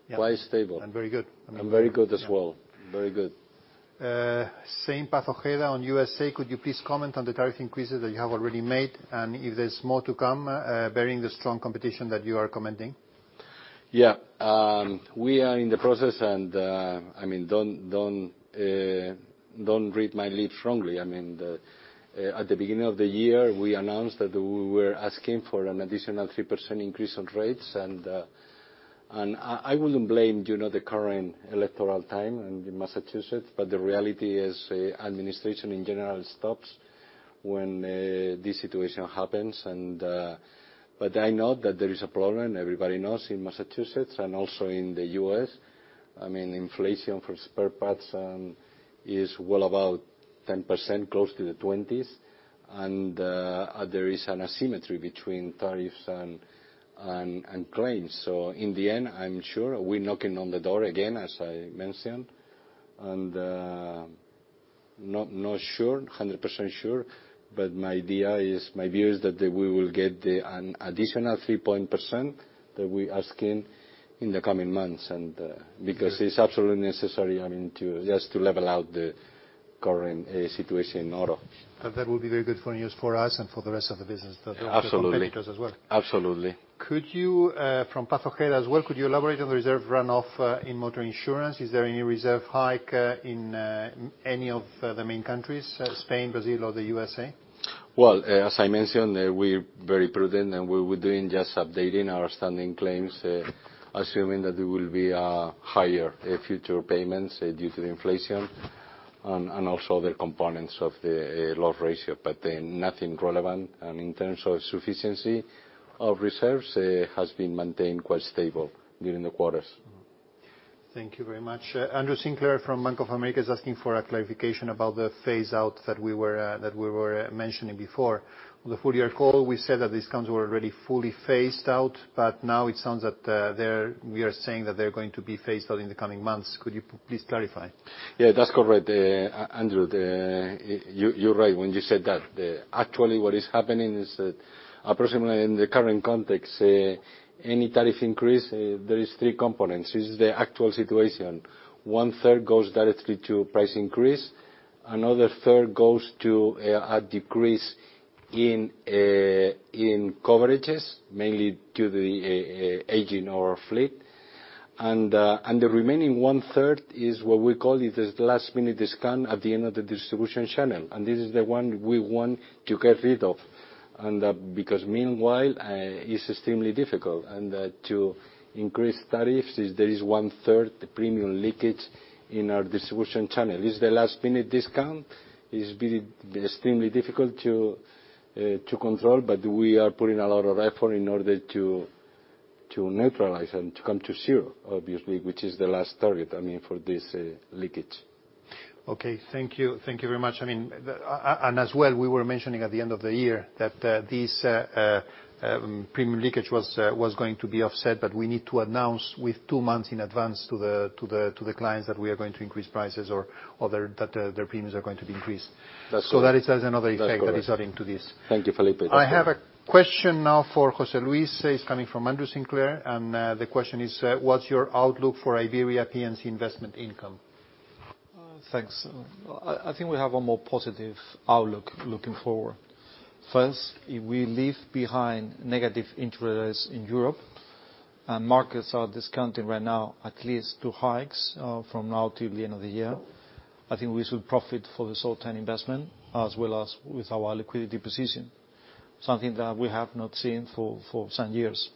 Yeah. Quite stable. Very good. Very good as well. Very good. Same Paz Ojeda on USA: Could you please comment on the tariff increases that you have already made and if there's more to come, bearing the strong competition that you are commenting? Yeah. We are in the process and, I mean, don't read my lips wrongly. I mean, at the beginning of the year, we announced that we were asking for an additional 3% increase on rates. I wouldn't blame, you know, the current election time in Massachusetts, but the reality is administration in general stops when this situation happens. But I know that there is a problem, everybody knows in Massachusetts and also in the U.S. I mean, inflation for spare parts is well above 10%, close to the 20s. There is an asymmetry between tariffs and claims. In the end, I'm sure we're knocking on the door again, as I mentioned. Not a hundred percent sure, but my view is that we will get an additional 3% that we're asking in the coming months. Because it's absolutely necessary, I mean, to just level out the current situation in auto. That will be very good news for us and for the rest of the business, the competitors as well. Absolutely. Absolutely. Could you, from Paz Ojeda as well, could you elaborate on the reserve runoff in motor insurance? Is there any reserve hike in any of the main countries, Spain, Brazil, or the USA? Well, as I mentioned, we're very prudent, and we're doing just updating our standing claims, assuming that there will be higher future payments due to the inflation and also the components of the loss ratio, but nothing relevant. In terms of sufficiency of reserves, has been maintained quite stable during the quarters. Thank you very much. Andrew Sinclair from Bank of America is asking for a clarification about the phase out that we were mentioning before. On the full year call, we said that discounts were already fully phased out, but now it sounds that we are saying that they're going to be phased out in the coming months. Could you please clarify? Yeah, that's correct, Andrew. You're right when you said that. Actually what is happening is that approximately in the current context, any tariff increase, there is three components. This is the actual situation. One-third goes directly to price increase. Another third goes to a decrease in coverages, mainly to the aging or fleet. And the remaining one-third is what we call it is last-minute discount at the end of the distribution channel, and this is the one we want to get rid of. Because meanwhile, it's extremely difficult and to increase tariffs. There is one-third premium leakage in our distribution channel. This is the last-minute discount. It's been extremely difficult to control, but we are putting a lot of effort in order to neutralize and to come to zero, obviously, which is the last target, I mean, for this leakage. Okay. Thank you. Thank you very much. I mean, as well, we were mentioning at the end of the year that this premium leakage was going to be offset, but we need to announce with two months in advance to the clients that we are going to increase prices or that their premiums are going to be increased. That's correct. That it has another effect. That's correct. That is adding to this. Thank you, Felipe. I have a question now for José Luis. It's coming from Andrew Sinclair. The question is, what's your outlook for Iberia P&C investment income? Thanks. I think we have a more positive outlook looking forward. First, if we leave behind negative interest rates in Europe and markets are discounting right now at least two hikes from now to the end of the year, I think we should profit from the short-term investment as well as with our liquidity position, something that we have not seen for some years.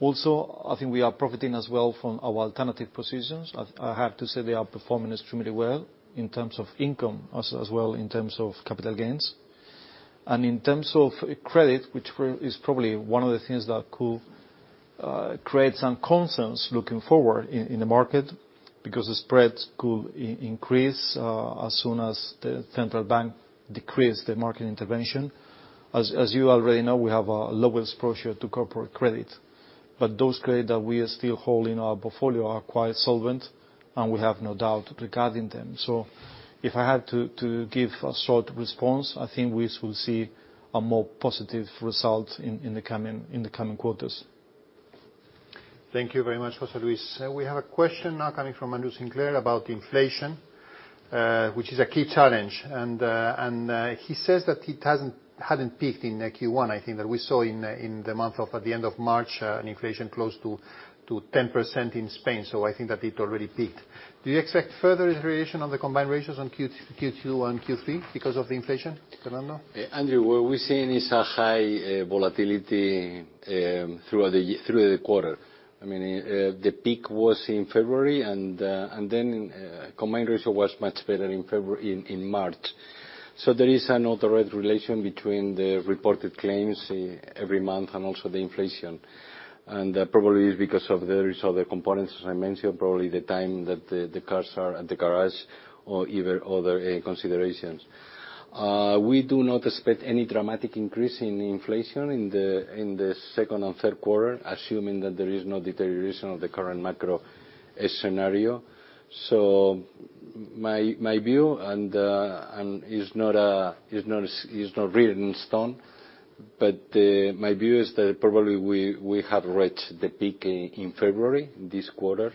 Also, I think we are profiting as well from our alternative positions. I have to say they are performing extremely well in terms of income as well in terms of capital gains. In terms of credit, which is probably one of the things that could create some concerns looking forward in the market because the spreads could increase as soon as the central bank decrease the market intervention. As you already know, we have low exposure to corporate credit. Those credits that we are still holding in our portfolio are quite solvent, and we have no doubt regarding them. If I had to give a short response, I think we will see a more positive result in the coming quarters. Thank you very much, José Luis. We have a question now coming from Andrew Sinclair about inflation, which is a key challenge. He says that it hadn't peaked in Q1. I think that we saw in the month of March, at the end of March, an inflation close to 10% in Spain, so I think that it already peaked. Do you expect further inflation on the combined ratios in Q2 and Q3 because of the inflation, Fernando? Andrew, what we're seeing is a high volatility throughout the quarter. I mean, the peak was in February, and then combined ratio was much better in March. There is an alternating relation between the reported claims every month and also the inflation. Probably it's because of the rest of the components, as I mentioned, probably the time that the cars are at the garage or even other considerations. We do not expect any dramatic increase in inflation in the second and third quarter, assuming that there is no deterioration of the current macro scenario. My view is not written in stone, but my view is that probably we have reached the peak in February this quarter.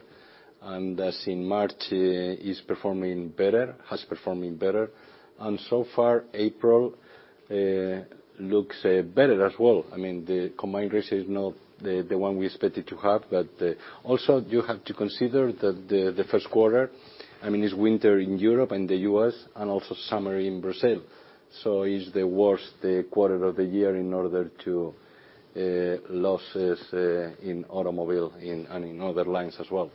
As in March, it is performing better, has been performing better. So far, April looks better as well. I mean, the combined ratio is not the one we expected to have. Also, you have to consider that the first quarter, I mean, it's winter in Europe and the U.S. and also summer in Brazil. It's the worst quarter of the year in terms of losses in automobile and in other lines as well.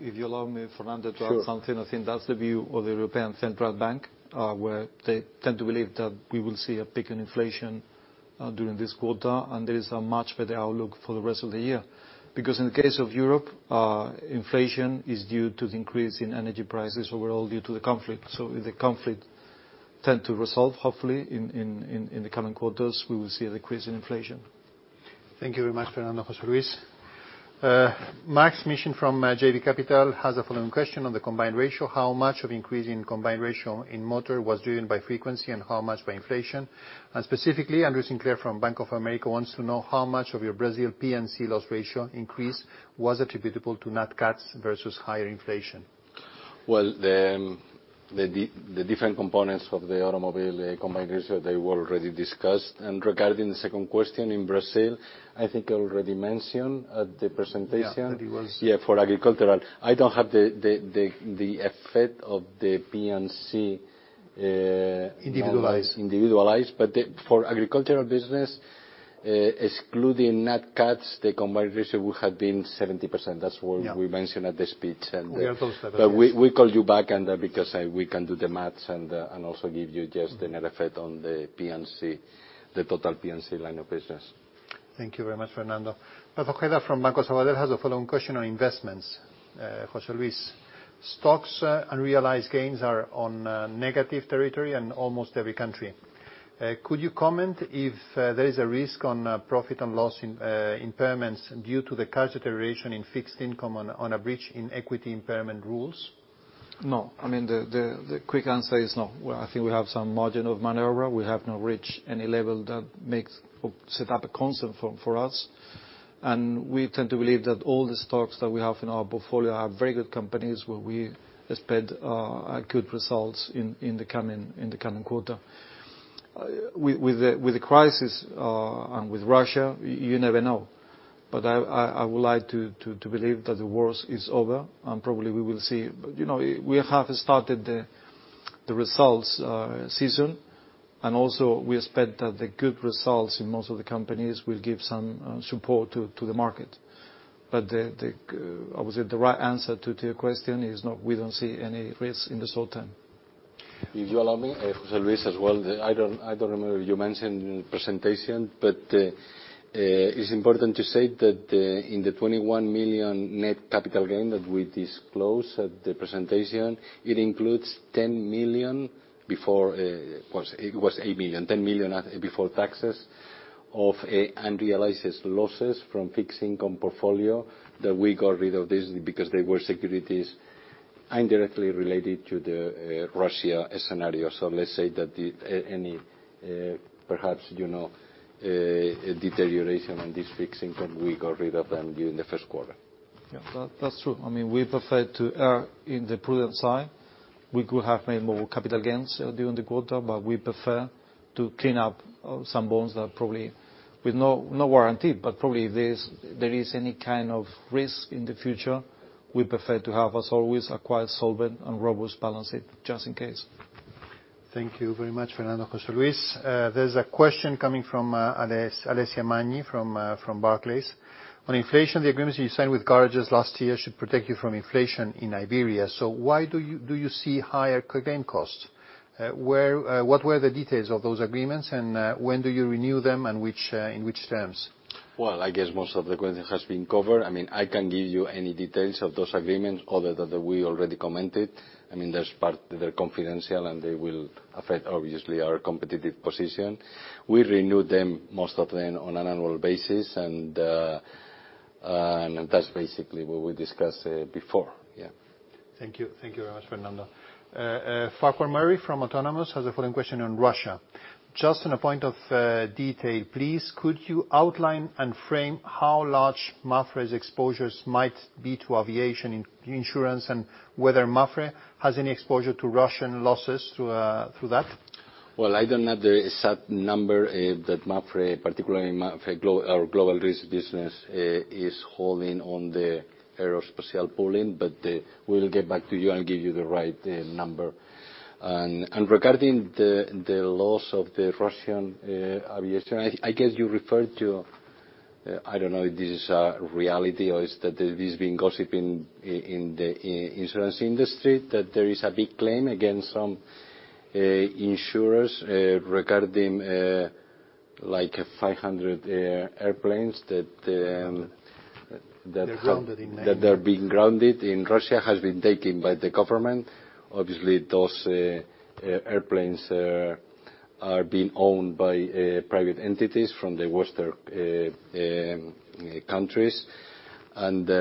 If you allow me, Fernando, to add something. Sure. I think that's the view of the European Central Bank, where they tend to believe that we will see a peak in inflation during this quarter, and there is a much better outlook for the rest of the year. Because in the case of Europe, inflation is due to the increase in energy prices overall due to the conflict. If the conflict tend to resolve, hopefully, in the coming quarters, we will see a decrease in inflation. Thank you very much, Fernando, José Luis. Maksym Mishyn from JB Capital has a follow-on question on the combined ratio. How much of increase in combined ratio in motor was driven by frequency and how much by inflation? Specifically, Andrew Sinclair from Bank of America wants to know how much of your Brazil P&C loss ratio increase was attributable to nat cats versus higher inflation. Well, the different components of the automobile combined ratio, they were already discussed. Regarding the second question in Brazil, I think I already mentioned at the presentation. Yeah, that it was. Yeah, for agricultural. I don't have the effect of the P&C. Individualized. Individualized. For agricultural business, excluding nat cats, the combined ratio would have been 70%. That's what we mentioned at the speech. We are close to that. We call you back because we can do the math and also give you just the net effect on the P&C, the total P&C line of business. Thank you very much, Fernando. Paz Ojeda from Banco Sabadell has a follow-on question on investments, José Luis. Stocks unrealized gains are on negative territory in almost every country. Could you comment if there is a risk on profit and loss in impairments due to the cash deterioration in fixed income on a breach in equity impairment rules? No. I mean, the quick answer is no. Well, I think we have some margin of maneuver. We have not reached any level that makes or set up a concern for us. We tend to believe that all the stocks that we have in our portfolio are very good companies where we expect good results in the coming quarter. With the crisis and with Russia, you never know. I would like to believe that the worst is over, and probably we will see. You know, we have started the results season. Also we expect that the good results in most of the companies will give some support to the market. Obviously, the right answer to your question is no, we don't see any risk in the short-term. If you allow me, José Luis as well, I don't remember you mentioned in presentation, but is important to say that in the 21 million net capital gain that we disclose at the presentation, it includes 10 million before it was 8 million, 10 million net before taxes of unrealized losses from fixed income portfolio that we got rid of this because they were securities indirectly related to the Russia scenario. Let's say that then any perhaps you know deterioration in this fixed income, we got rid of them during the first quarter. Yeah. That's true. I mean, we prefer to err on the prudent side. We could have made more capital gains during the quarter, but we prefer to clean up some bonds that probably with no warranty, but probably there is any kind of risk in the future. We prefer to have, as always, a quite solvent and robust balance sheet just in case. Thank you very much, Fernando, José Luis. There's a question coming from Alessia Magni from Barclays. On inflation, the agreements you signed with garages last year should protect you from inflation in Iberia, so why do you see higher claim costs? What were the details of those agreements, and when do you renew them, and in which terms? Well, I guess most of the question has been covered. I mean, I can't give you any details of those agreements other than we already commented. I mean, there's part, they're confidential, and they will affect obviously our competitive position. We renew them, most of them, on an annual basis and that's basically what we discussed before. Yeah. Thank you. Thank you very much, Fernando. Farquhar Murray from Autonomous has the following question on Russia. Just on a point of detail, please could you outline and frame how large MAPFRE's exposures might be to aviation insurance and whether MAPFRE has any exposure to Russian losses through that? Well, I don't have the exact number that MAPFRE, particularly MAPFRE Global Risks business, is holding on the aerospace pool in, but we'll get back to you and give you the right number. Regarding the loss of the Russian aviation, I guess you referred to. I don't know if this is a reality or is that there's been gossip in the insurance industry, that there is a big claim against some insurers, regarding like 500 airplanes that that- They're grounded in Russia. That they're being grounded in Russia has been taken by the government. Obviously, those airplanes are being owned by private entities from the Western countries.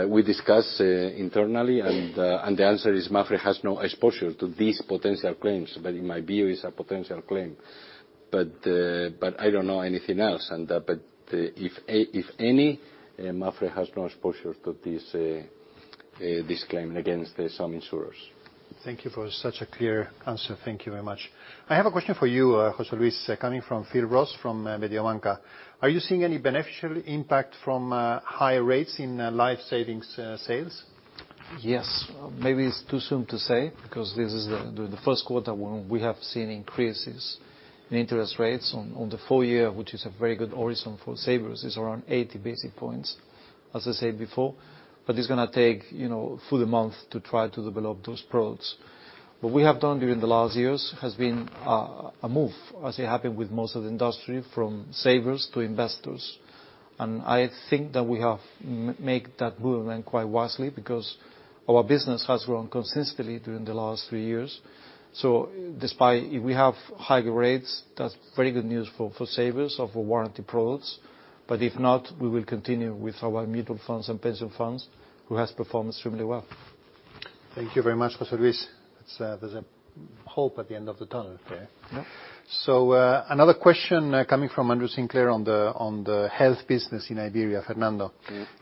We discuss internally, and the answer is MAPFRE has no exposure to these potential claims. In my view, it's a potential claim. I don't know anything else. If any, MAPFRE has no exposure to this claim against some insurers. Thank you for such a clear answer. Thank you very much. I have a question for you, José Luis, coming from Phil Ross, from Mediobanca. Are you seeing any beneficial impact from higher rates in life savings sales? Yes. Maybe it's too soon to say, because this is the first quarter when we have seen increases in interest rates. On the full year, which is a very good horizon for savers, it's around 80 basis points, as I said before. It's gonna take, you know, full month to try to develop those products. What we have done during the last years has been a move, as it happened with most of the industry, from savers to investors. I think that we have made that movement quite wisely, because our business has grown consistently during the last three years. Despite if we have higher rates, that's very good news for savers of our warranty products. If not, we will continue with our mutual funds and pension funds, who has performed extremely well. Thank you very much, José Luis. There's a hope at the end of the tunnel there. Yeah. Another question, coming from Andrew Sinclair on the health business in Iberia, Fernando.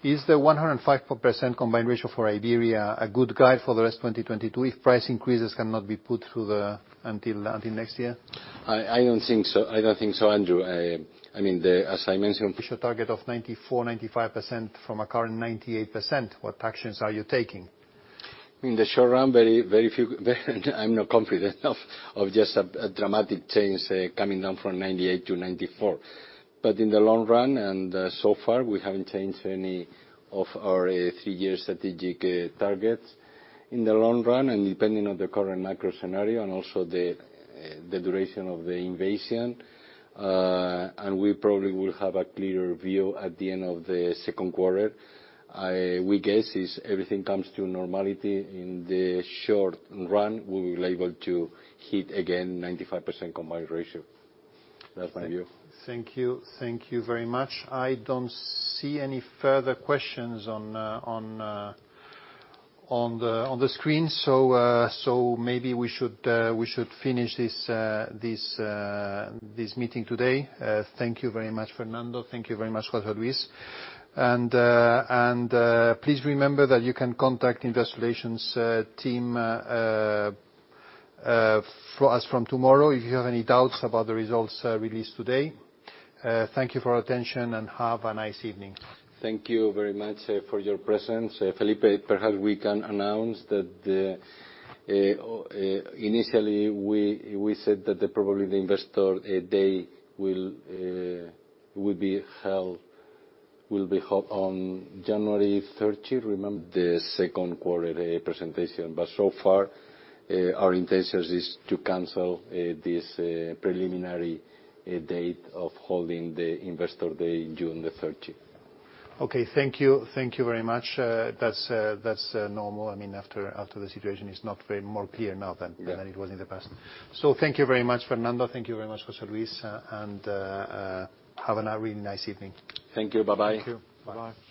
Is the 105% combined ratio for Iberia a good guide for the rest of 2022 if price increases cannot be put through until next year? I don't think so. I don't think so, Andrew. I mean, as I mentioned. To reach a target of 94%-95% from a current 98%, what actions are you taking? In the short run, I'm not confident of just a dramatic change coming down from 98% to 94%. In the long run, so far, we haven't changed any of our three-year strategic targets. In the long run, depending on the current macro scenario and also the duration of the invasion, we probably will have a clearer view at the end of the second quarter. We guess if everything comes to normality in the short run, we will be able to hit again 95% combined ratio. That's my view. Thank you. Thank you very much. I don't see any further questions on the screen. Maybe we should finish this meeting today. Thank you very much, Fernando. Thank you very much, José Luis. Please remember that you can contact Investor Relations team from tomorrow if you have any doubts about the results released today. Thank you for your attention, and have a nice evening. Thank you very much for your presence. Felipe, perhaps we can announce that initially, we said that probably the investor day will be held on January 30, remember, the second quarter presentation. So far, our intentions is to cancel this preliminary date of holding the investor day June the 30th. Okay, thank you. Thank you very much. That's normal. I mean, after the situation is not very more clear now than it was in the past. Thank you very much, Fernando. Thank you very much, José Luis. Have a really nice evening. Thank you. Bye-bye. Thank you. Bye-bye.